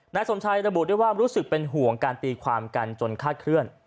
นายสมชัยระบุด้วยว่ารู้สึกเป็นห่วงการตีความกันจนคาดเคลื่อน